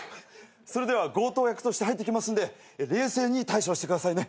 それでは強盗役として入ってきますんで冷静に対処してくださいね。